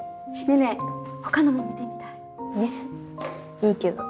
いいけど。